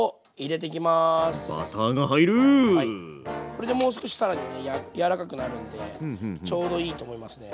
これでもう少し更に柔らかくなるんでちょうどいいと思いますね。